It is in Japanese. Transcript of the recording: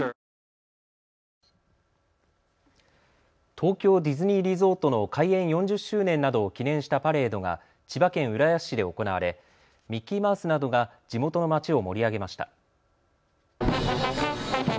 東京ディズニーリゾートの開園４０周年などを記念したパレードが千葉県浦安市で行われミッキーマウスなどが地元の街を盛り上げました。